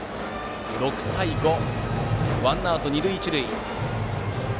６対５、ワンアウト二塁一塁。